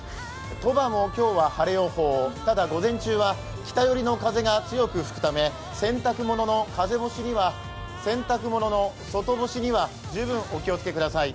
鳥羽も今日は晴れ予報、ただ午前中は北寄りの風が強く吹くため洗濯物の外干しには十分、お気をつけください。